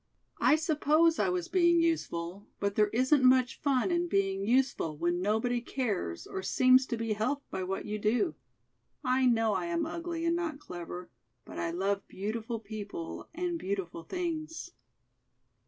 I suppose I was being useful, but there isn't much fun in being useful when nobody cares or seems to be helped by what you do. I know I am ugly and not clever, but I love beautiful people and, beautiful things."